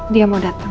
dia mau dateng